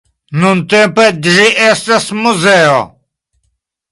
Nuntempe ĝi estas muzeo.